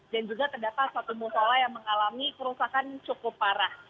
dan juga terdapat satu musola yang mengalami kerusakan cukup parah